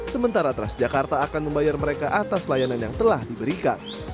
sementara transjakarta akan membayar mereka atas layanan yang telah diberikan